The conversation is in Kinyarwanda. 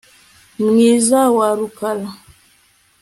mwiza wa rukara